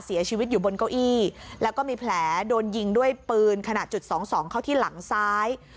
เสียชีวิตอยู่บนเก้าอี้แล้วก็มีแผลโดนยิงด้วยปืนขนาดจุดสองสองเข้าที่หลังซ้าย